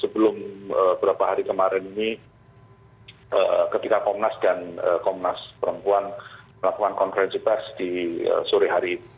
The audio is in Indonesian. belum beberapa hari kemarin ini ketika komnas dan komnas perempuan melakukan kontrasipasi di sore hari itu